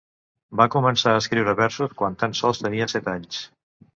Va començar a escriure versos quan tan sols tenia set anys.